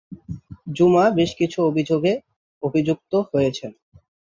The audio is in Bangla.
জুমা বেশকিছু অভিযোগে অভিযুক্ত হয়েছেন।